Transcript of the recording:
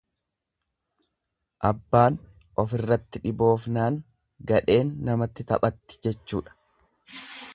Abbaan ofirratti dhiboofnaan gadheen namatti taphatti jechuu ibsa.